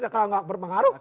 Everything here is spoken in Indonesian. kalau gak berpengaruh